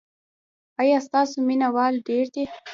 ایا ستاسو مینه وال ډیر دي؟